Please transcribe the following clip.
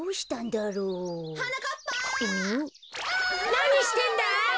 なにしてんだ？